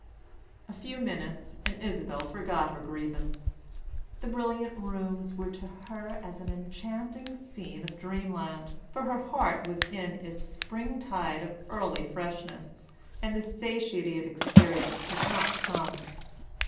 A few minutes and Isabel forgot her grievance. The brilliant rooms were to her as an enchanting scene of dreamland, for her heart was in its springtide of early freshness, and the satiety of experience had not come.